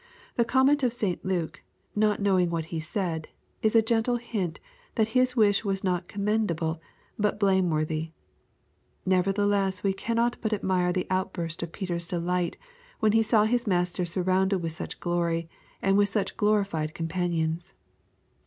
The comment of St Luke, '^not knowing what he said," is a gentle hint that his wish was not commendable, but blameworthy. Nevertheless we cannot but admire the outburst of Peter's delight when he saw his Master surrounded with such glory, and with such glorified companions.